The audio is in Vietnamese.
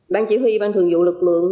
ban chỉ huy ban thường dụ lực lượng